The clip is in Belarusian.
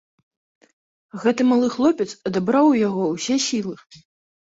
Гэты малы хлапец адабраў у яго ўсе сілы.